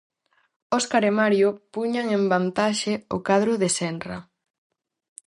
Óscar e Mario puñan en vantaxe o cadro de Senra.